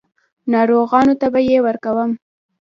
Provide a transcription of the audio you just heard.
ناروغانو ته به یې ورکوم.